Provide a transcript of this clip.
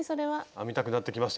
編みたくなってきましたよね。